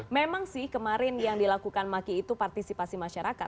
memang sih kemarin yang dilakukan maki itu partisipasi masyarakat